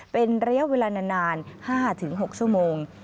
เป็นระยะเวลานาน๕๖ชั่วโมง